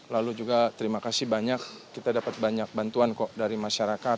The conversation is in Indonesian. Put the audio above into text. lalu juga terima kasih banyak kita dapat banyak bantuan kok dari masyarakat